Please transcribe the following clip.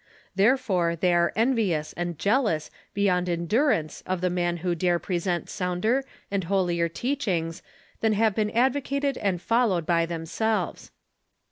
Therefore they are envious and jealous beyond endurance of the man who dare present sounder and holier teachings than have been advocated and followed by themselves.